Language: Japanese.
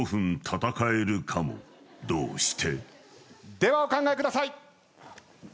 ではお考えください。